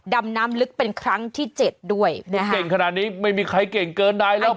ดำน้ำลึกเป็นครั้งที่เจ็ดด้วยนะคะเก่งขนาดนี้ไม่มีใครเก่งเกินนายแล้ว